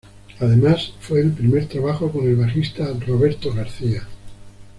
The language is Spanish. Además, fue el primer trabajo con el bajista Roberto García.